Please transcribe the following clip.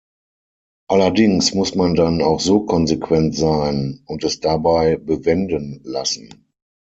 Allerdings muss man dann auch so konsequent sein und es dabei bewenden lassen.